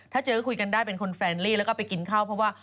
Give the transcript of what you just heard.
ถ้าเจอก็คุยกันได้เป็นคนแรนลี่แล้วก็ไปกินข้าวเพราะว่า